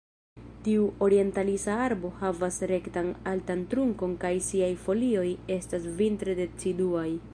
Tiu orientalisa arbo havas rektan altan trunkon kaj siaj folioj estas vintre deciduaj.